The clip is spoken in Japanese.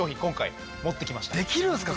できるんすか？